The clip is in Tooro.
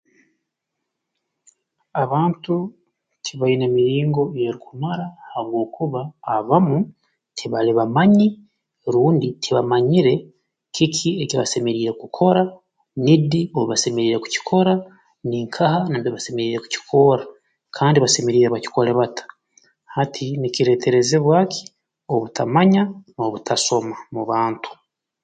Abantu tibaine miringo eyeerukumara habwokuba abamu tibali bamanyi rundi tibamanyire kiki eki basemeriire kukora ni di obu basemeriire kukikora ninkaha nambere basemeriire kukikorra kandi basemeriire bakikole bata hati nkireeterezabwa ki obutamanya n'obutasoma mu bantu